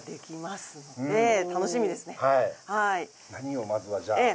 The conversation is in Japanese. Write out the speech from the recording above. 何をまずはじゃあ。